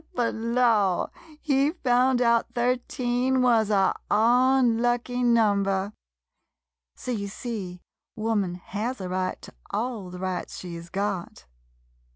But law — he found out thirteen wuz a unlucky number! So, you see, wo man has a right to all the rights she 's got.